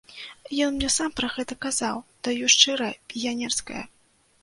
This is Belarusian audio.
Ён мне сам пра гэта казаў, даю шчырае піянерскае.